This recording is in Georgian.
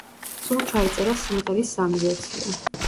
სულ ჩაიწერა სიმღერის სამი ვერსია.